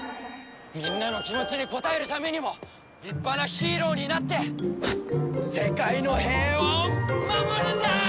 みんなの気持ちに応えるためにも立派なヒーローになって世界の平和を守るんだーっ！